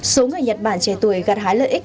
số người nhật bản trẻ tuổi gặt hái lợi ích